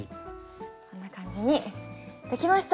こんな感じにできました！